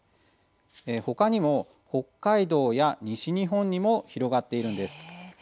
他にも北海道や西日本にも広がっているんです。